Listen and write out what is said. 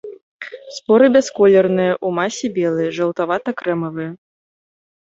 Споры бясколерныя, у масе белыя, жаўтавата-крэмавыя.